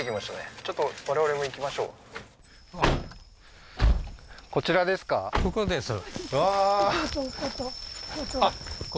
ちょっと我々も行きましょううわー